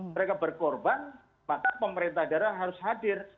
mereka berkorban maka pemerintah daerah harus hadir